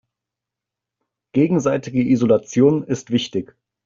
Gegenseitige Isolation ist wichtig.